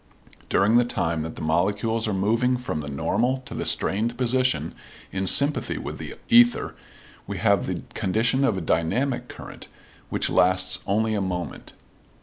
During the time that the molecules are moving from the normal to the strained position in sympathy with the ether we have the condition of a dynamic current, which lasts only a moment.